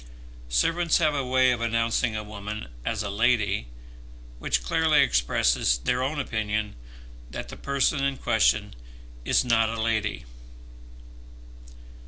Servants have a way of announcing a woman as a lady, which clearly expresses their own opinion that the person in question is not a lady.